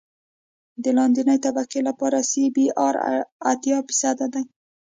د لاندنۍ طبقې لپاره سی بي ار اتیا فیصده دی